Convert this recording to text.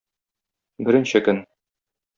Беренче көн.